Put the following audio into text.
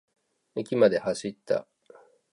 駅まで走った。